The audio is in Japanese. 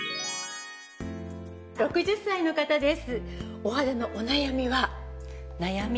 ６０歳の方です。